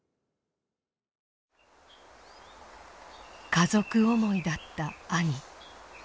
家族思いだった兄。